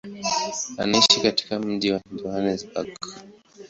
Anaishi katika mji wa Johannesburg.